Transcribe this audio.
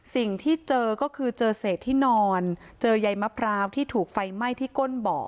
สิ่งที่เจอก็คือเจอเศษที่นอนเจอใยมะพร้าวที่ถูกไฟไหม้ที่ก้นเบาะ